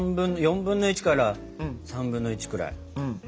４分の１から３分の１くらい。